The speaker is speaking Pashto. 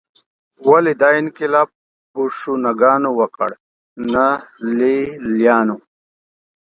ولې دا انقلاب بوشونګانو وکړ نه لېلیانو